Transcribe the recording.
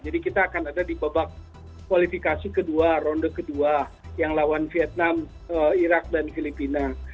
jadi kita akan ada di babak kualifikasi kedua ronde kedua yang lawan vietnam irak dan filipina